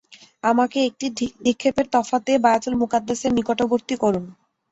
আমাকে একটি ঢিল নিক্ষেপের তফাতে বায়তুল মুকাদ্দাসের নিকটবর্তী করুন।